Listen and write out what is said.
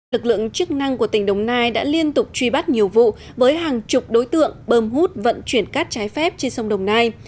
lực lượng chức năng của tỉnh đồng nai đã liên tục truy bắt nhiều vụ với hàng chục đối tượng bơm hút vận chuyển cát trái phép trên sông đồng nai